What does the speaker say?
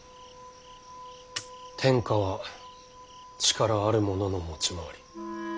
天下は力ある者の持ち回り。